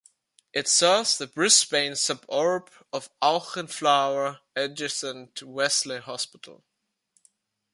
It serves the Brisbane suburb of Auchenflower, adjacent to the Wesley Hospital.